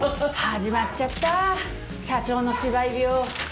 始まっちゃった社長の芝居病。